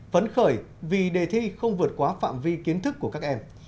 phấn khởi vì đề thi không vượt quá phạm vi kiến thức của các em